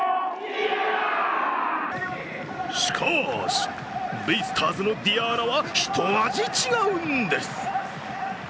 しかし、ベイスターズのｄｉａｎａは一味違うんです。